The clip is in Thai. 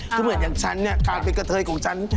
คือเหมือนอย่างฉันเนี่ยการเป็นกะเทยของฉัน